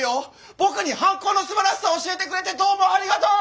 僕に反抗のすばらしさを教えてくれてどうもありがとう！